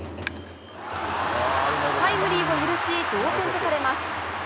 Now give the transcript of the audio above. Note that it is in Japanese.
タイムリーを許し、同点とされます。